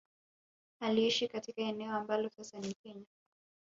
Aliishi katika eneo ambalo sasa ni Kenya